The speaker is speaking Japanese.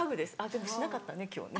でもしなかったね今日ね。